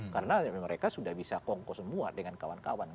karena mereka sudah bisa kongkos semua dengan kawan kawan